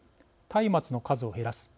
たいまつの数を減らす。